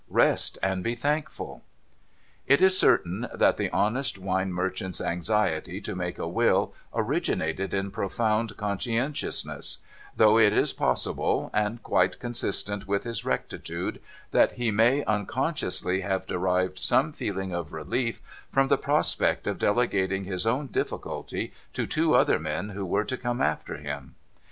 Rest and be thankful.' It is certain that the honest wine merchant's anxiety to make a will originated in profound conscientiousness ; though it is possible (and quite consistent with his rectitude) that he may unconsciously have derived some feeling of relief from the prospect of delegating his own difficulty to two other men who were to come after him.